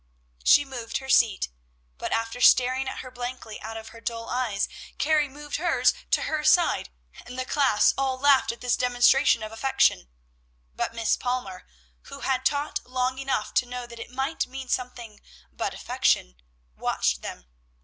She moved her seat, but, after staring at her blankly out of her dull eyes, Carrie moved hers to her side, and the class all laughed at this demonstration of affection; but Miss Palmer, who had taught long enough to know that it might mean something but affection, watched them.